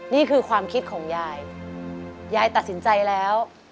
นี่คือความคิดของยายยายตัดสินใจแล้ว